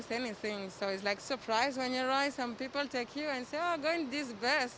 kenapa kita harus di karantina lima hari padahal kita negatif